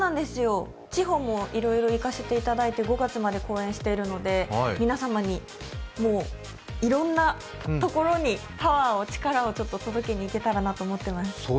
地方もいろいろ行かせていただいて５月まで公演しているので、皆様に、いろんなところに、パワーを、力を届けに行けたらなと思っています。